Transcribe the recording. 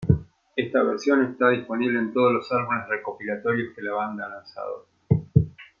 Esta versión está disponible en todos los álbumes recopilatorios que la banda ha lanzado.